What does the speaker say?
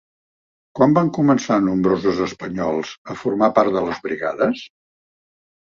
Quan van començar nombrosos espanyols a formar part de les Brigades?